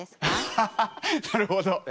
ハハハッなるほど。